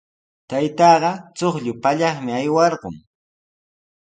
Taytaaqa chuqllu pallaqmi aywarqun.